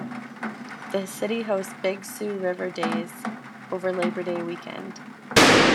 The city hosts "Big Sioux River Days" over Labor Day Weekend.